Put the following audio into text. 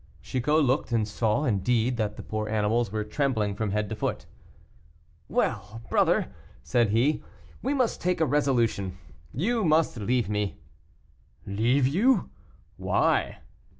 Chicot looked, and saw, indeed, that the poor animals were trembling from head to foot. "Well! brother," said he, "we must take a resolution. You must leave me." "Leave you; why?"